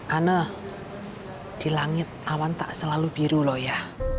ana di langit awan tak selalu biru loh ya